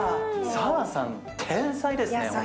サラさん天才ですね。